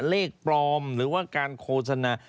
เลขปลอมหรือว่าการโฆษณา